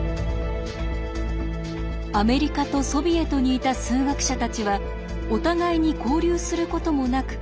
アメリカとソビエトにいた数学者たちはお互いに交流することもなく